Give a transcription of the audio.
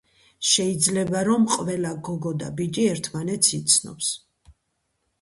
შეიძლება რომ ყველა გოგო და ბიჭი ერთმანეთს იცნობს